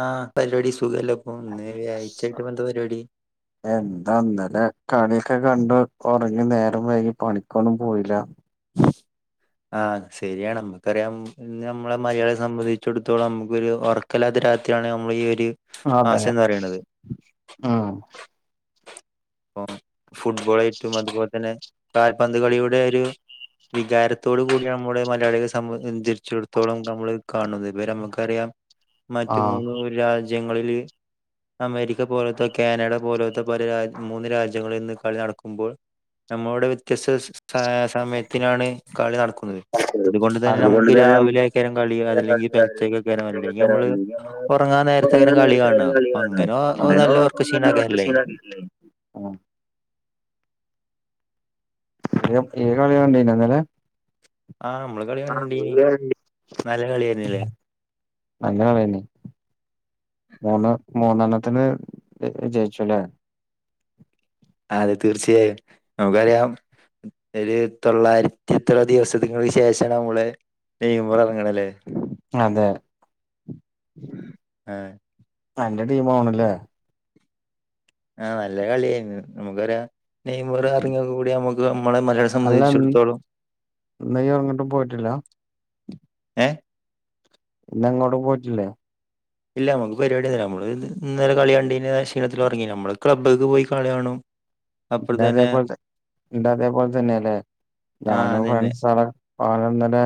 ആ പരിപാടി സുഖവല്ലേ ഇപ്പം ഇന്ന് ഞായറാഴ്ച ആയിട്ട് ഇപ്പോ എന്താ പരിപാടി എന്താ ഇന്നലെ കളി ഒക്കെ കണ്ട് ഉറങ്ങി നേരം വൈകി പണിക്കൊന്നും പോയില്ല ആ ശരിയാണ് നമ്മുക്കറിയാം നമ്മള് മലയാളിയെ സംബന്ധിച്ചടുത്തോളം നമുക്കൊരു ഉറക്കമില്ലാത്തെ രാ ത്രിയാണ് നമ്മൾ ഈ ഒരു അതെ ആശ എന്ന് പറയണത് ഉം അപ്പം ഫുട്ബോൾ ഐറ്റവും അതുപോലെ തന്നെ കാൽ പന്തുകളിയുടെ ഒരു വികാരത്തോടു കൂടിയാണ് നമ്മള് മലയാളിയെ സംബന്ധിച്ചിടത്തോളം നമ്മള് കാണുന്നത് ഇപ്പ നമുക്കറിയാം മറ്റ് ആഹ് മൂന്ന് രാ ജ്യങ്ങളില് അമേരിക്ക പോലത്തെ കാനഡ പോലത്തെ പല രാ മൂന്ന് രാജ്യങ്ങളിൽ ഇന്ന് കളി നടക്കുമ്പോൾ നമ്മളുടെ വ്യത്യസ്ത സമയത്തിനാണ് കളി നടക്കുന്നത് അതുകൊണ്ട് തന്നെ നമുക്ക് രാവിലെ ഏയ്ക്കാലും കളി ഇത്തരം അതല്ലെങ്കിൽ കളികാരും ചർച്ചകളൊക്കെ [unintelligible] നമ്മള് അല്ലെങ്കിൽ നമ്മളിപ്പോ ഉറങ്ങാൻ നേരത്താണ് ഉറങ്ങാൻ കളി നേരത്ത് ഇത്തരം കാണുക കളി അപ്പോ കാണാം അങ്ങനെ അങ്ങനെ നല്ല ഉറക്ക നല്ല ഉറക്ക ക്ഷീണാക്കാരല്ലേ ക്ഷീണം ആയിരിക്കത്തില്ലേ ആ നീ നീ കളി കണ്ടീനോ ഇന്നലെ ആ നമ്മള് കളി ആഹ് കണ്ടീന് ഇന്നലെ നല്ല കളി ആയിരുന്നില്ലേ അങ്ങനെ തന്നെ മൂന്ന് മൂന്നെണ്ണത്തിന് ജയിച്ചുവല്ലേ അതെ തീർച്ചയായും നമുക്കറിയാം ഒരു തൊള്ളായിരത്തി ഇത്രയധികം ദിവസങ്ങൾക്ക് ശേഷം നമ്മളെ നെയ്മറ് ഇറങ്ങണല്ലേ അതെ ആ എന്റെ ടീം ആവണല്ലേ ആ നല്ല കളിയായിരുന്നു നമുക്കറിയാം നെയമറ് ഇറങ്ങിയതോട് കൂടി നമുക്ക് നമ്മള് മലയാളിയെ അല്ല സബന്ധിച്ചടത്തോളം ഇന്ന് ഇയ്യ് എങ്ങോട്ടും പോയിട്ടില്ല ഏ ഇന്ന് അങ്ങോട്ട് പോയിട്ടില്ലേ ഇല്ല നമുക്ക് പരിപാടി ഒന്നുമില്ല നമ്മള് ഇന്നലെ കളി കണ്ടീന് ക്ഷീണത്തിൽ ഇറങ്ങീന് നമ്മള് ക്ലബ്ബക്ക് പോയി കളി കാണും എന്റെ അപ്പുറത്ത് തന്നെ അതേപോലെ എന്റെ അതേപോലെ തന്നെയാല്ലേ ആ ഞാനും അതന്നെ ഫ്രണ്ട്സൂടെ ആാലന്നര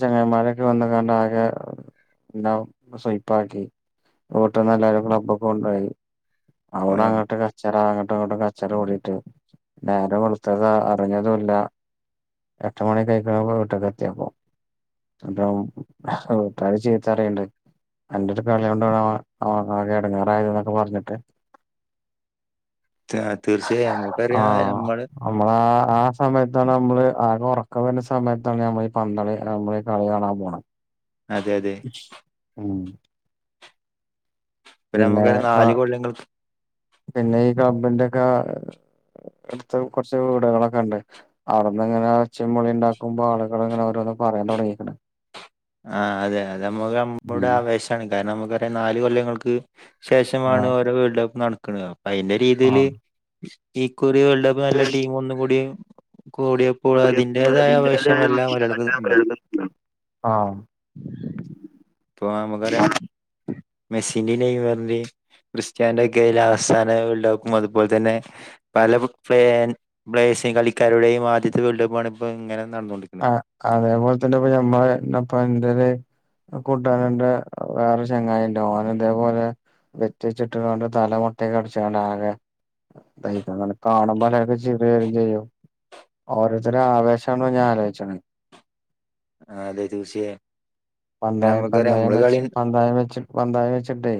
ചങ്ങമാരക്കെ വന്ന കണ്ട ആകെ എല്ലാം സ്പ്പ ആാക്കി വട്ട നല്ലരും ക്ലബ്ബ ഒക്കെ കൊണ്ടുപോയി അവിടെ ഉം, അങ്ങോട്ട് കച്ചറ അങ്ങട്ട അങ്ങോട്ട് അച്ച പടിീട്ട് ഞാന വെളുത്തത് അറിഞ്ഞതല്ല എട്ട മണ കായിക്കണ പോ ട്ട കത്തിയാപ്പോ അപ്പം ചെയീത്തറിയണ്ട് എന്റെ ഒരു കളി കൊണ്ട് അവ അവെ ഇടങ്ങാറായത് എന്നൊക്കെ പറഞ്ഞിട്ട് [inaudible] ആ തീർച്ചയായും നമുക്കറിയാം ആഹ് നമ്മള് നമ്മളാ ആ സമയത്താണ് നമ്മള് ആകെ ഉറക്കം വരുന്ന സമയത്താണ് ഞമ്മൾ പന്തളി നമ്മള ഈ കളി കാണാൻ പോകണം അതെ അതെ ഉഹ ഇപ്പ നമുക്ക നാല് കൊള്ളങ്ങൾ പിന്നെ ഈ കമ്പിന്റെക്ക അടുത്ത് കുറച്ച് വീടുകളൊക്കെണ്ട് അവിടെന്ന് ഇങ്ങനെ ഒച്ചെമുളി ഉണ്ടാക്കുമ്പ ആളുകളങ്ങന ഓരോന്ന് പറയാൻ തുടങ്ങിക്ക്‌ണ് ആഹ് അതെ അത് നമ്മുക്ക് നമ്മുടെ ഉം ആവേശാണ് കാരണം നമുക്കറിയ നാല് കൊല്ലങ്ങൾക്ക് ശേഷമാണ് ആഹ് ഓരോ വേൾഡ് കപ്പ് നടക്കണത് അപ്പൊ അയ്ന്റെ രീതില് ആഹ് ശെ ഒരു വേൾഡ് കപ്പ് നല്ല ടീം ഒന്നും കൂടിം കൂടിയപ്പോൾ കൂടിയപ്പോ അതിന്റേതായ ആവേശം അതിന്റേതായ എല്ലാം പലട്ത്തും ഉണ്ടാവും ആഹ് ഇപ്പോ നമക്കറിയാം മെസിന്റേം നെയ്മറിന്റേം ക്രിസ്റ്റ്ന്റൊക്കെ ലാസാന വേൾഡ് കപ്പും അതുപോലെ തന്നെ പല ഫ്ലെൻ പ്ലേയേഴ്സും കളിക്കാരുടെയും ആദ്യത്തെ വേൾഡ്പ്പാണ് ഇപ്പം ഇങ്ങനെ നടന്നുകൊണ്ടിരിക്കുന്നത് ആഹ് അതേപോലെ തന്നെ ഇപ്പ ഞമ്മളെ ഇപ്പ എന്റെര് കൂട്ടാരന്റെ വേറെ ചെങ്ങായിണ്ട് ഓന് ഇതേപോലെ ബെറ്റടിച്ചിട്ട്ങ്ങാണ്ട് തലമുട്ടെക്കടിച്ചങ്ങണ്ട് ആകെ ഇതായേക്കണ് അവനെ കാണുമ്പോലക്കെ ചിറിവരും ചെയ്യും ഓരോത്തര ആവേശോണ്ട് ഞാൻ ആലോചണെ ആഹ് അതെ തീർച്ചയാ പന്തായ പന്തായം വെച്ച് പന്തായം വെച്ച് പന്തായം വെച്ചിട്ടേ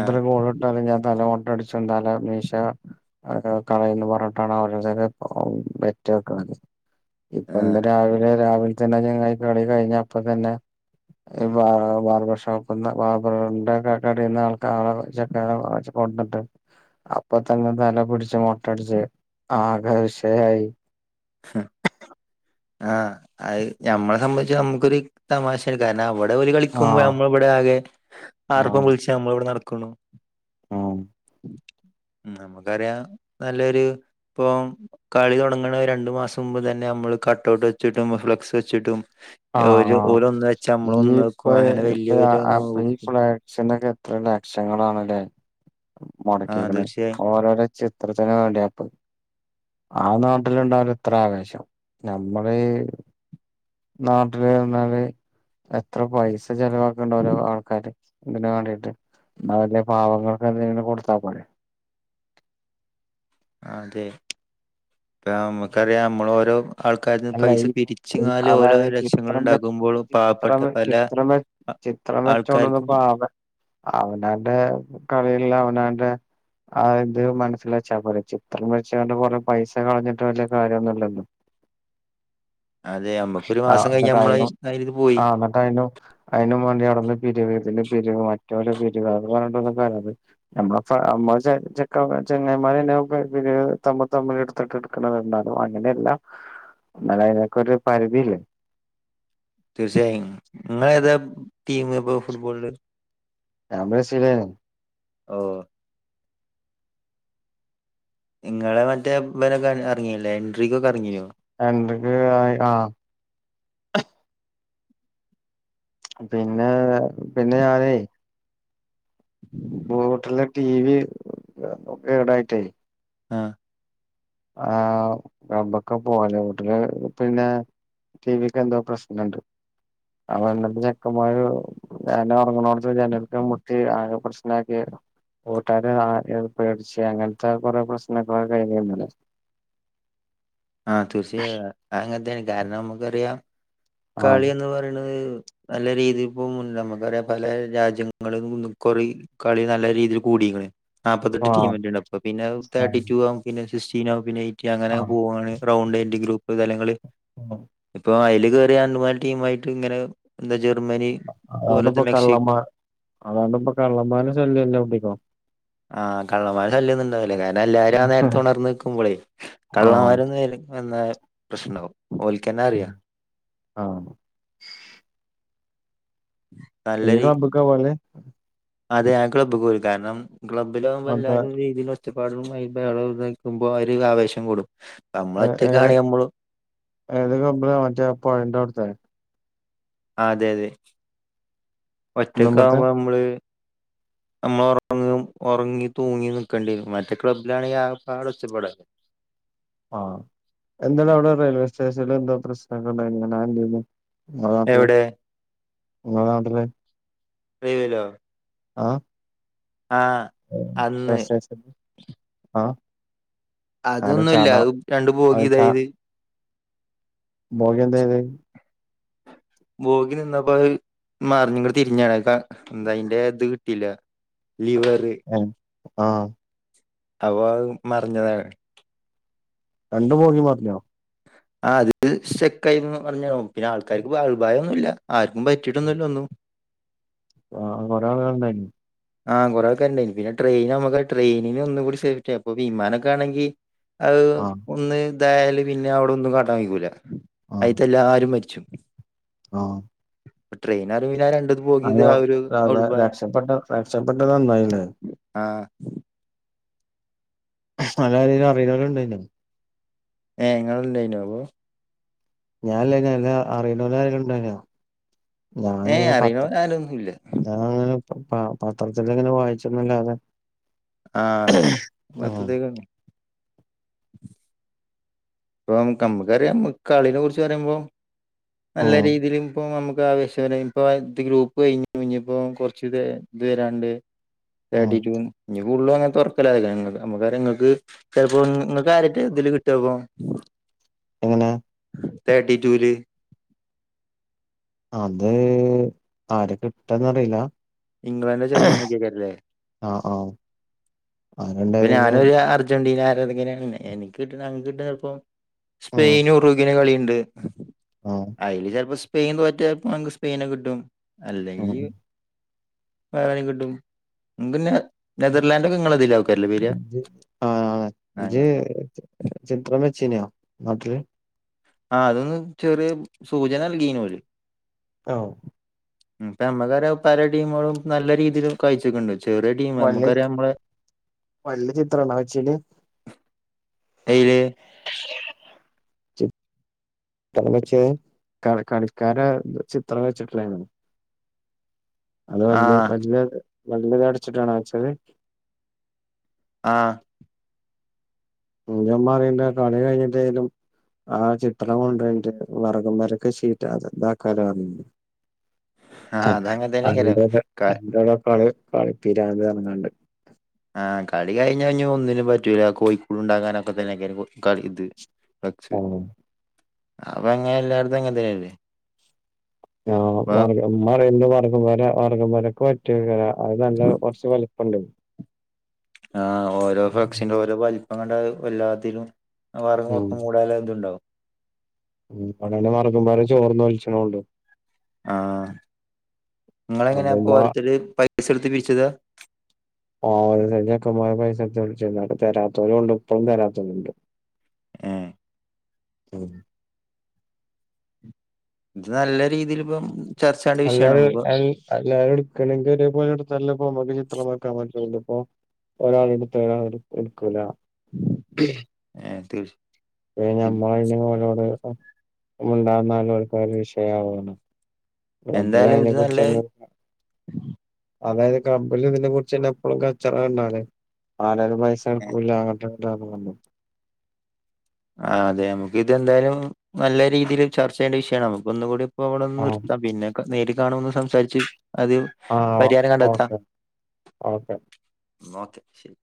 ആ ഗോളിട്ടാളിഞ്ഞെ പിന്നെ തല മുട്ടടിച്ചും തല മീശ അതൊക്ക കളയന്ന് പറഞ്ഞിട്ടാണ് അവരുതൊക്കെ ബെറ്റ് വെക്കണത് ആ ഇപ്പൊ ഇന്ന് രാവിലെ രാവിലെ തന്നെ ചങ്ങായി കളി കഴിഞ്ഞ അപ്പ തന്നെ ഈ ബാർ ബാർബർ ഷോപ്പ്ന്ന് ബാർബറിന്റെ ഒക്ക കടെന്ന് ആൾക്ക ആളെ ചെക്കല ച്ച് കൊണ്ട്ന്ന് ട്ട് അപ്പ തന്നെ തല പിടിച്ച് മൊട്ടടിച്ച് ആകെ വിഷയായി ഹ് ആഹ് അയ് ഞമ്മളെ സംബന്ധിച്ച് നമുക്കൊര് തമാശേണ് കാരണം അവി ടെ അവര് കളിക്കുമ്പോ ആഹ് നമ്മളിവിടെ ആകെ ആർപ്പം ആഹ് വിളിച്ച് നമ്മളിവിടെ നടക്കുണു ആഹ് ഉം നമുക്കറിയാം നല്ലൊരു ഇപ്പം കളി തുടങ്ങണ രണ്ടു മാസം മുമ്പ് തന്നെ നമ്മള് ക ടൗട്ട് വെച്ചിട്ടും ഫ്ലക്സ് വെച്ചിട്ടും ആഹ് ഓര് ആഹ് ഓലൊന്ന് വെച്ചാ ഇനി നമ്മളൊന്ന് വെക്കും ഇപ്പെ അങ്ങനെ എപ്പഴാ വല്യോരൊന്ന് അപ്പ ഈ നോക്കും ഫുള്ളാക്ഷനെക്കെ എത്ര ലക്ഷങ്ങളാണല്ലേ ആഹ് മുടക്കിക്കണെ തീർച്ചയായും ഓരോരെ ചിത്രത്തിന് വേണ്ടിയാപ്പ് ആ നാട്ടിലുണ്ടാവില്ല ഇത്ര ആവേശം നമ്മള് ഈ നാട്ടില്ന്ന്ഞ്ഞാല് എത്ര പൈസ ചെലവാക്ക്‌ണ്ട് ഓരോ ആൾക്കാര് ഇതിന് വേണ്ടിട്ട് എന്ന വല്യ പാവങ്ങൾക്ക് എന്തെങ്കിലും കൊടുത്താ പോരെ ആഹ് അതെ ഇപ്പം നമുക്കറിയാം നമ്മളോരോ ആൾക്കാരിന്ന് അല്ല പൈസ ഈ ഈ പിരിച്ചിങ്ങാല് ഓരോ അതായത് ഈ ലക്ഷങ്ങളൾ ചിത്രം വര- ഉണ്ടാകുമ്പോലും പാവപ്പെട്ട ചിത്രം പല ചിത്രം വര- ആ- ചിത്രം വെച്ചോണ്ടന്ന് ആൾക്കാർക്കും പാവ അവനവന്റെ കളിയല്ല അവനവന്റെ ആഹ് ഇത് മനസ്സിലെച്ചാ പോരെ ചിത്രം വച്ചിങ്ങാണ്ട് കുറെ പൈസ കളഞ്ഞിട്ട് വല്യ കാര്യൊന്നുല്ലല്ലോ അതെ നമ്മുക്കൊരു ആഹ് മാസം കഴിഞ്ഞ നമ്മള അന്നിട്ടയ്നോ അതില് പോയി ആഹ് അന്നിട്ടയ്നോ അയ്നും വേണ്ടി അവിട്ന്ന് പിരിവ്തില് പിരിവ് ആയ് റ്റൊല പിരിവ് അത് പറഞ്ഞിടട്ടൊന്നും തരാത്തെ നമ്മള ഫാ അവമ്മാര് ചെ ചെക്കമ്മ ചങ്ങായ്മാരന്നെ പെ പിരിവ് വ് തമ്മി തമ്മി എടുത്തിട്ട് എടുക്കണത്ണ്ടാവും അങ്ങനെയല്ലാ എന്നാലും അയിനക്കൊരു പരിധില്ലേ തീർച്ചയായും നിങ്ങള് ഏതാ ടീം ഇപ്പൊ ഫുട്ബോളില്. ഞാൻ ബ്രസീലാണ്. ഓഹ്. നിങ്ങളെ മറ്റേ ബനൊക്കെ എറങ്ങില്ലേ എൻട്രിക്കൊക്കെ ഇറങ്ങീനോ? എന്തൊക്കെ ആ പിന്നെ പിന്നെ ഞാനെ. ബോട്ടിലെ ടി വി ഏടായിട്ടായി ആഹ ആ ബൊക്കെ പോാലെ വീട്ടില് പിന്നെ ടി വിക്ക് എന്തോ പ്രശ്നുണ്ട് അ എന്നിട്ട് ചെക്കമായ ഒരു ഞെ ഉറങ്ങണട ജനക്ക് മുട്ടി ആകെ പ്രശ്നക്കി കൂട്ടാര പേടിച്ച അങ്ങനത്തെ കൊറെ പ്രശ്നങ്ങള കഴിഞ്ഞരുന്നല്ലേ ആഹ തീർച്ചയായ അങ്ങനത്തെയാണ് കാരണം നമുക്കറിയാം ആഹ് കളിന്ന് പറയുന്നത് നല്ല രീതി ഇപ്പോ നമുക്കറിയ പല രാജ്യങ്ങളും കുറ കളി നല്ല രീതിയിൽ കൂടി നാപ്പ്ീെ ആഹ് തേർി ആഹ് ആുംെീെ അങ്ങനെെ പോവാണ് റൗണ്ട് അന്റെ ഗ്രൂപ്പ് തലങ്ങള് ആഹ് ഇപ്പൊ അതില് ട്ട്നെ അതൊണ്ട്ിപ്പ കള്ളമ്മ അതണ്ട്ിപ്പൊ കള്ളമ്മന ശല് എല്ല കുടിക്കും ആഹ് കള്ളമാ ശല്ൊന്നുണ്ടാവലേ ക പിെ എല്ലാവാരും ആ നേരത്തെ ഉണർന്നന്ന് നിക്കുമ്പോളേ ആഹ് കള്ളന്മാര എന്ന പ്രശ്നമാകവും ഓൽക്കനറിയ ആഹ എനി നല്ലൊരു ഹബബ കവാല അതെ ആ ക്ലബ പോലും കാരണം ക്ലബിലകുമ്പോ മറ്റേ എല്ലാരുംീതി ചുറ്റുപ്പാടുകളമായി ബള നൽക്കുമ്പോൾ അവര് ആവേശം കൂടും നമ്മള് ഏ ഏത് ഒറ്റക്കാണെ നമ്മള് ഏത് കമ്പള മറ്റേ പുഴന്റെ അവിടുത്തെ അതെ അതെ ഒറ്റക്ക കുന്നുമ്മത്തെ ആകുമ്പോ നമ്മള് [inaudible] നമ്മൾ ഉറങ്ങ ഉറങ്ങി തൂങ്ങി നക്കേണ്ടിരും മറ്റേ ക്ലബ്ബിലാണ് പാട് ഒച്ചപ്പൊടത് [inaudible] ആഹ് എന്തല്ല അവിടെ റെയിൽവേ സ്റ്റേഷനിൽ എന്തോ പ്രശ്നണ്ടന്ന് ങ്ങ നാട്ടില് എവിടെ നാട്ടില് അമല്ലോ ആഹ അന്ന് ആഹ അതൊന്നുംല്ല അത് രണ്ടു പോകി ഇതായത് മോക എന്തായത് പോോഗി നിന്നപ്പ മറിഞ്ഞ കൂടി തിരിഞ്ഞാണ് എന്താ അതിന്റെ ഇത് കിട്ടല്ല ലിവറ് ആഹ അപ്പൊ അത് മറിഞ്ഞതാണ് രണ്ടു പോക്കി മാത്രോ ആ അത് ചെക്കായിന്ന് പറഞ്ഞ പിന്നെ ആൾക്കാർക്ക്ഭായംൊന്നുമല്ല ആർക്കും പറ്റിയിട്ടൊന്നല്ലോ ഒന്ന്ു ആ കൊറെ ആളൾണ്ടായി ആഹ കൊറെക്കെണ്ടായിന് പിന്നെടെയിൻ നമുക്ക ട്രെയിനിന് ഒന്ന കൂടി സേഫ്റ്റിായി അപ്പൊ വിമാനൊക്കെ ആണെങ്കിൽ അത് ആഹ് ഒന്ന് ഇതായാല് പിന്നെ അവിടെൊന്നും കാട്ടാൻ വിക്കൂല ആഹ് ആയിത്തല്ല ആരും മരിച്ചു ആഹ് ട്രെയിനാർനണ്ട് ഇത് പോകിയത് അല്ല ആ ഒരു അതാ ഉൾപായ രക്ഷപ്പെട്ട രക്ഷപ്പെട്ടത് നന്നായില്ലേ ആഹ അല്ലാരനും അറിയുന്നവ ഉണ്ടായിു ഏ ങ്ങണ്ടായിനോ അവ ഞാനൻല്ല അറണ്ടല്ലരണ്ടല്ലോ ഏ ഞാനിങ്ങനെ പത്രം അറിയണോരാരൊന്നുല്ല ഞാനങ്ങനെ പത്രത്തി ഇങ്ങനെ വായിച്ചന്നല്ലാതെ ആഹ മത്രക്ക [inaudible] ഇപ്പ നക്ക് നമ്മുക്കറിയാം കളിയെ കുറിച്ച് പറയുമ്പോ നല്ല ഉം രീതിൽ ഇപ്പ നമ്മുക്ക് ആവേശ ഇപ്പ ഇത് ഗ്രൂപ്പ് കഴിഞ്ഞ് കഴി ഇപ്പോ കുറച്ച് ഇ ഇത് തരാണ്ട് ഉം ട്ടി ഇനി കൂടുതലും അങ്ങനെ തുറക്കല നമ്മക്കാര എങ്ങക്ക് ചെപ്പോ നിങ്ങക്ക് ആരട്ട് എതില് കിട്ടപ്പ എങ്ങനെ തടിി ജൂലി അത് ആര് കിട്ടന്ന്റിയില്ല ഇംഗ്ലണ്ട് ജർമ്മനിയക്കെക്കരില്ലേ ആഹ് ആഹ് അപ്പ ആരുണ്ടായതെങ്കിലും ഞാനൊരു അർജന്റീന അതെങ്ങനെയ എനിക്ക്ിട്ട് ഞ കിട്ട ചിലപ്പോം ഉം സ്പെയിൻ ഉറുഗിനന് കളിയുണ്ട് ആഹ് അയില് ചിലപ്പോ സ്പെയിൻ തോറ്റപ്പോക്ക് സ്പെയിന കിട്ടും ഉം അല്ലെങ്കിൽ ഉം. വന കിട്ടും നിക്ക് നെതർലാൻഡ ഒക്കെ ഇങ്ങളതില ആ ജ ഞങ്ങൾതന്നെ ചിത്രം വെച്ചീനോ അതേ ആ അതൊന്ന് ചെറിയ സൂചന നൽകീന പോര് ആഓ പ അമ്മക്കാര പല ടീമുകളും നല്ല രീതിയിൽ കഴച്ചൊക്കുണ്ട ചെറിയ ടീം വല്യ നമുക്കറിയാം നമ്മള വല്യ ചിത്രണോ വെച്ചീന് അയിര് [unintelligible] ചിത്രം വെച്ച് ക കളിക്കാര ചിത്രം വെച്ചിട്ടില്ലാണ് അത് വല്ിയ ആഹ് വല്ിയ വലത അടിച്ചിട്ടാണ വെച്ചത് ആഹ് മാറീണ്ട കളി കഴിഞ്ഞിട്ടാലും ആ ചിട്ടണം കൊണ്ടട്ട് വറകം വരക്കീറ്റ ഇതാക്കാല ആഹ് അ അതങ്ങനെ തന്നെയ്ക്കാരം ക അന്തടെക്കള് കളിപ്പര ഇറങ്ങാണ്ട് ആഹ കളി കഴിഞ്ഞ കഴഞ്ഞഞ് ഒന്നിനും പറ്റൂല കോഴിക്കൂട് ഉണ്ടാാക്കാനൊക്കെ തന്നെയക്കി ഇത് ഫ്ലക്സ് ആ അപ്പ അങ്ങനെ എല്ലായിടത്തും അങ്ങന തരെയല്ലേ ആ മർഗം മ വർഗം വരെ വർഗം വരക്കെ പറ്റിക്ക അത് നല്ല കുറച്ച വല ഒണ്ട് ആ് ഓരോ ഫക്ഷസിന്റെ ഓരോ വലപം കണ്ട വല്ലാത്തിും വർഗ മൊത്തം കൂടാലും ഇതുണ്ടാവും ഉ അടെ മറക്കുമ്പര ചോർന്ന വലിച്ചണണ്ട് ആ നിങ്ങള അപ്പൊ എങ്ങനെയാ ഉമ്മ പോരോരുത്തരെ പൈസ എടുത്ത് പിരിച്ചതാ - പയസ തരാത്തരുഒണ്ട് ഇപ്പോഴും തരാത്തരുണ്ട് ഏഹ് ഉം ഇത് നല്ലേ അല്ലാരും അൽ എല്ലാരും എടുക്കണെങ്ക ഒരേ പോലെ എടുത്ത- അപ്പൊ നമുക്ക് [unintelligible] ഇപ്പോ ഒരാളെ എടുത്താ ഒരാളെ എടുക്കൂലാ ഏഹ് തീർച്ച ഉം നമ്മ അമ്മയെടെ മോനോട് - ഞാൻ മിണ്ടാനിന്നാലും ഒരികെ വിഷയാവാണ്. നമ്മളെ എന്തായാലും ഇത് നല്ല അതിനെക്കുറിച്ചങ്ങ് അതായത് ക്ലബ്ബിലെ ഇതിനെ കുറിച്ചുന്നെ എപ്പോഴും കച്ചടവന്നാലേ ആളുകളെ പൈസ എടുക്കൂല്ല കേട്ടോ [unintelligible] ആ അതെ നമുക്ക് എന്തായാലും നല്ല രീതിയിൽ ചർച്ച ചെയ്യേണ്ട വിഷയമാണ് നമുക്ക് ഒന്നുകൂടി അപ്പ അവിടെന്ന് ആ നിർത്താ പിന്നെക്കെ നേരിട്ട കാണുമെന്ന് സംസാരിച്ച് അത് ആ പരിഹാരം കണ്ടെത്താം- ഓക്കെ ഓക്കെ ശരി